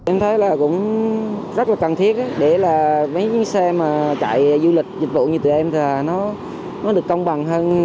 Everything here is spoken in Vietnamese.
em thấy là cũng rất là cần thiết để là mấy cái xe mà chạy du lịch dịch vụ như tụi em thì nó được công bằng hơn